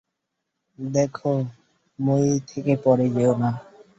দেখো, মই থেকে পড়ে যেও না।